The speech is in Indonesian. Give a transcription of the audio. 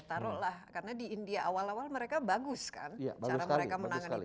taruhlah karena di india awal awal mereka bagus kan cara mereka menangani